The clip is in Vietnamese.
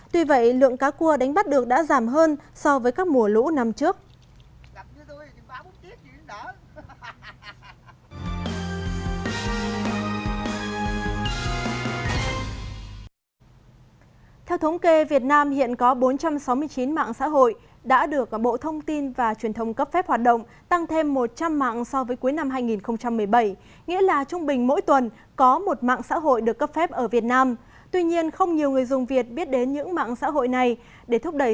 tuy vậy lượng cá cua đánh bắt được đã giảm hơn so với các mùa lũ năm trước